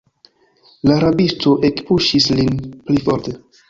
La rabisto ekpuŝis lin pli forte.